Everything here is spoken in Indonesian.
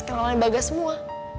kenalannya bagas semua